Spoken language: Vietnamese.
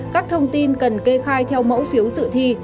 các thông tin cần kê khai theo mẫu phiếu sự thi